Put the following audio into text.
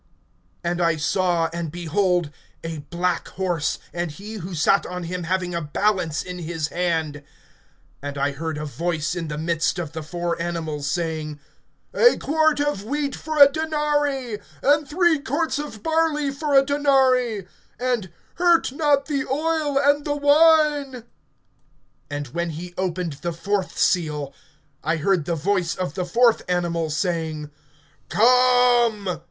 And I saw, and behold a black horse, and he who sat on him having a balance in his hand. (6)And I heard a voice in the midst of the four animals, saying: A quart of wheat[6:6] for a denary, and three quarts of barley for a denary; and: Hurt not the oil and the wine. (7)And when he opened the fourth seal, I heard the voice of the fourth animal saying: Come!